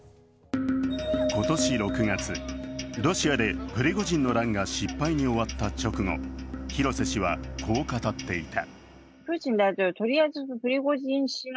今年６月、ロシアでプリゴジンの乱が失敗に終わった直後廣瀬氏は、こう語っていた。